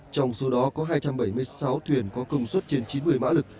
trong số đó có hai trăm bảy mươi sáu thuyền có công suất trên chín mươi mã lực